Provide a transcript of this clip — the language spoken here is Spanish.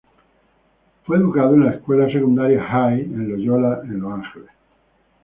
Fue educado en la escuela secundaria "High" en Loyola, en Los Ángeles.